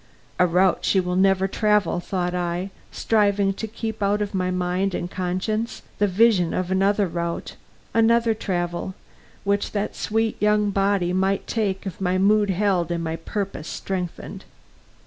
"A route she will never travel," thought I, striving to keep out of my mind and conscience the vision of another route, another travel, which that sweet young body might take if my mood held and my purpose strengthened.